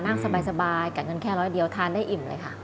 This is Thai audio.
นั่งสบายกับเงินแค่ร้อยเดียวทานได้อิ่มเลยค่ะ